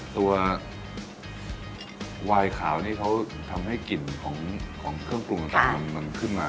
ตัววายขาวนี่เขาทำให้กลิ่นของเครื่องปรุงต่างมันขึ้นมา